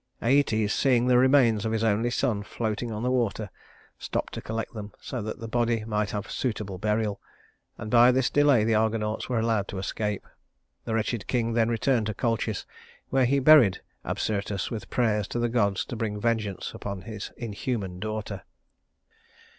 Æetes, seeing the remains of his only son floating on the water, stopped to collect them so that the body might have suitable burial; and by this delay the Argonauts were allowed to escape. The wretched king then returned to Colchis, where he buried Absyrtus with prayers to the gods to bring vengeance upon his inhuman daughter.